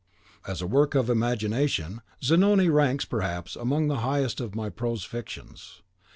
As a work of imagination, "Zanoni" ranks, perhaps, amongst the highest of my prose fictions.